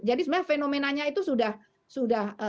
jadi sebenarnya fenomenanya itu sudah berubah